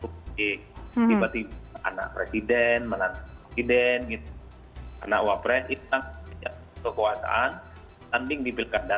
tiba tiba anak presiden anak wapren itu kan kekuasaan standing di pilkada